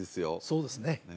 そうですね